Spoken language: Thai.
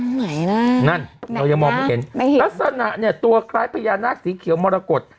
ไหนล่ะนั่นเรายังมองไม่เห็นลักษณะเนี่ยตัวคล้ายพญานาคสีเขียวมรกฏ